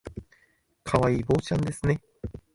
可愛い坊ちゃんですね